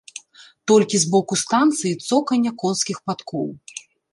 Толькі з боку станцыі цоканне конскіх падкоў.